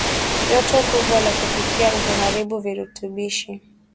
Joto kubwa la kupikia huharibu virutubishi